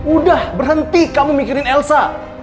udah berhenti kamu mikirin elsa